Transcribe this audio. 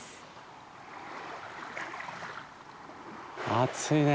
暑いね。